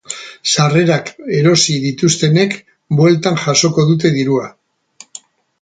Sarrerak erosi dituztenek bueltan jasoko dute dirua.